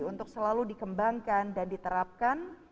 untuk selalu dikembangkan dan diterapkan